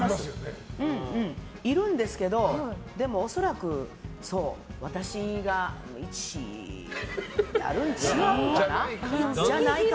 いるんですけど、でも恐らく私が１位になるん違うかな？